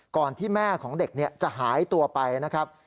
ก่อนที่แม่ของเด็กจะหายตัวไปนะครับ